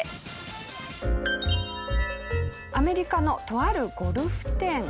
アメリカのとあるゴルフ店。